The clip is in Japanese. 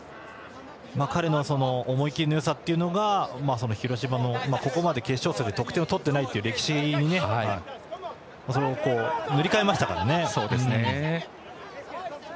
彼の思い切りのよさが広島が、ここまで決勝戦で得点を取っていないという歴史を塗り替えましたからね。